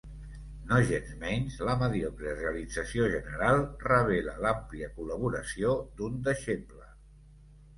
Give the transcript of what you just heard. Nogensmenys, la mediocre realització general revela l'àmplia col·laboració d'un deixeble.